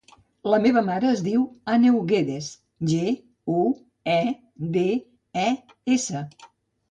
La meva mare es diu Àneu Guedes: ge, u, e, de, e, essa.